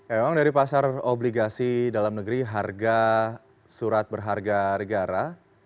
emang dari pasar obligasi dalam negeri harga surat berharga negara